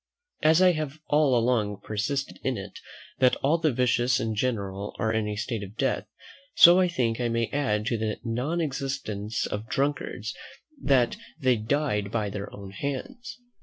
As I have all along persisted in it, that all the vicious in general are in a state of death; so I think I may add to the non existence of drunkards, that they died by their own hands.